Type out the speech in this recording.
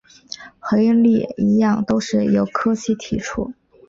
和应力一样都是由柯西提出。